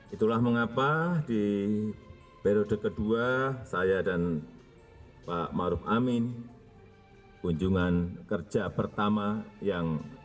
itulah mengapa di periode kedua saya dan pak maruf amin kunjungan kerja pertama yang